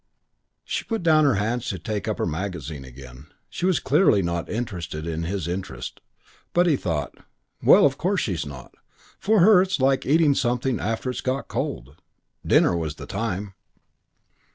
She put down her hands to take up her magazine again. She clearly was not interested by his interest. But he thought, "Well, of course she's not. For her it's like eating something after it's got cold. Dinner was the time."